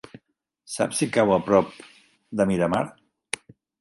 Saps si cau a prop de Miramar?